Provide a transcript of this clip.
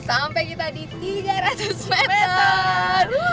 sampai kita di tiga ratus meter